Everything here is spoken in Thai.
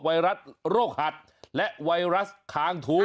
ไวรัสโรคหัดและไวรัสคางถูก